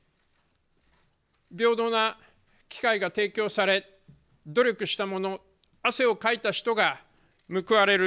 平等な機会が提供され、努力した者、汗をかいた人が報われる。